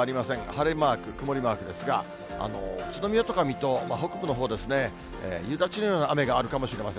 晴れマーク、曇りマークですが、宇都宮とか水戸、北部のほうですね、夕立のような雨があるかもしれません。